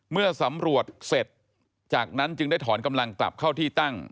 เมื่อสำรวจเสร็จจากนั้นจึงได้ถอนกำลังกลับเข้าที่ตั้ง